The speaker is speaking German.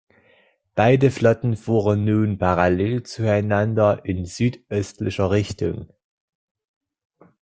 Beide Flotten fuhren nun parallel zueinander in südöstlicher Richtung.